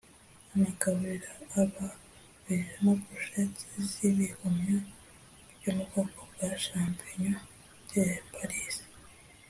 banagaburira ababijemo ‘Brochettes’ z’ibihumyo byo mu bwoko bwa ‘Champignons de Paris’